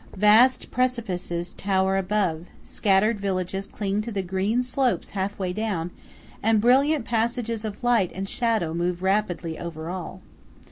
Vast precipices tower above; scattered villages cling to the green slopes half way down; and brilliant passages of light and shadow move rapidly over all.